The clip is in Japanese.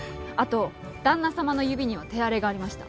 後旦那様の指には手荒れがありました。